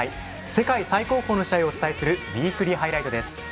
世界最高峰の試合をお伝えする「ウイークリーハイライト」です。